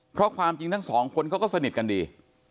เพราะความจริงทั้งสองคนเขาก็สนิทกันดี